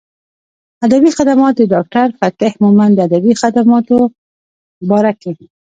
ادبي خدمات د ډاکټر فتح مند د ادبي خدماتو باره کښې